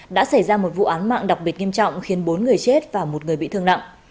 đã xảy ra một vụ án mạng đặc biệt nghiêm trọng khiến bốn người chết và một người bị thương nặng